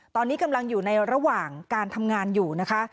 ตอนนี้กำลังอยู่ในระหว่างการทำงานอยู่นะคะ